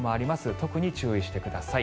特に注意してください。